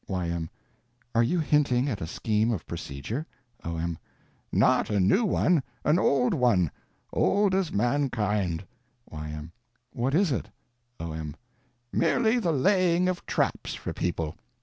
Y.M. Are you hinting at a scheme of procedure? O.M. Not a new one—an old one. Old as mankind. Y.M. What is it? O.M. Merely the laying of traps for people.